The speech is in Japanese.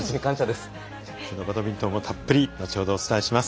そのバドミントンもたっぷり後ほどお伝えします。